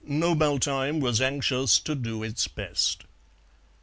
Knobaltheim was anxious to do its best.